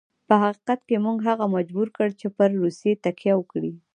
په حقیقت کې موږ هغه مجبور کړ چې پر روسیې تکیه وکړي.